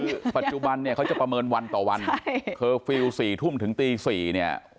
คือปัจจุบันเนี่ยเขาจะประเมินวันต่อวันเคอร์ฟิลล์๔ทุ่มถึงตี๔เนี่ย